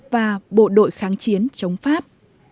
và bộ đội kháng chiến chống pháp